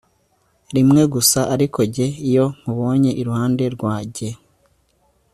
rimwe gusa arko jye iyo nkubonye iruhande rwajye